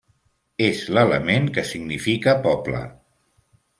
És l'element que significa poble.